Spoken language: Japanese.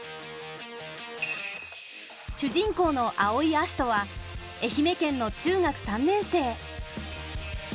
主人公の青井葦人は愛媛県の中学３年生。